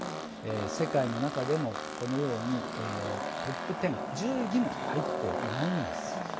世界の中でも、トップ１０１０位にも入っていないんです。